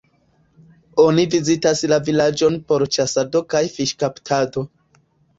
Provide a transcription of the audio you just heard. Oni vizitas la vilaĝon por ĉasado kaj fiŝkaptado.